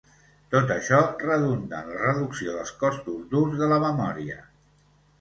Tot això redunda en la reducció dels costos d'ús de la memòria.